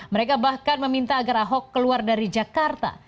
mereka bahkan meminta agar ahok keluar dari jakarta